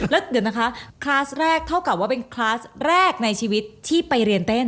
แล้วเดี๋ยวนะคะคลาสแรกเท่ากับว่าเป็นคลาสแรกในชีวิตที่ไปเรียนเต้น